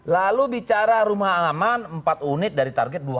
lalu bicara rumah alaman empat unit dari target dua ratus enam puluh tujuh